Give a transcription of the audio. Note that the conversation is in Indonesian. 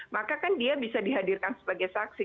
maka kan dia bisa dihadirkan sebagai saksi